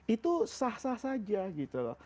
itu sah sah saja gitu loh